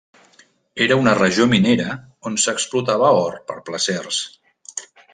Era una regió minera on s'explotava or per placers.